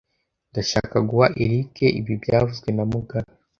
Ndashaka guha Eric ibi byavuzwe na mugabe